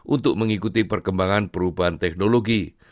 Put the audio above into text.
untuk mengikuti perkembangan perubahan teknologi